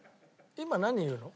今何言うの？